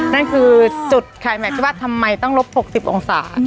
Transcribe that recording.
นั่นคือจุดขายแม็กซ์ที่ว่าทำไมต้องลบ๖๐องศา